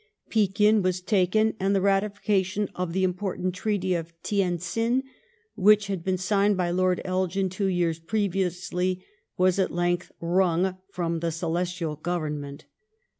Pekin was taken, and the ratification of the important Treaty of Tien tsin, which had been signed by Lord Elgin two years previously, was at length wrung from the Celestial Gt)vemment.